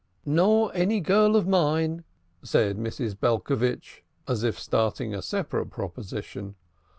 "Nor any girl of mine," said Mrs. Belcovitch, as if starting a separate proposition.